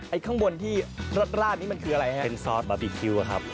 ข้างบนที่รดราดนี่มันคืออะไรฮะเป็นซอสบาร์บีคิวอะครับ